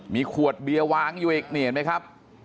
มีขวดเบียว้างอยู่เอกนี่เห็นมั้ยครับ